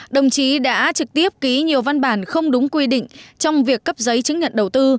đồng chí đã trực tiếp ký nhiều văn bản không đúng quy định trong việc cấp giấy chứng nhận đầu tư